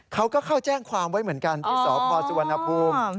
เขาก็เข้าแจ้งความไว้เหมือนกันที่สพสุวรรณภูมิ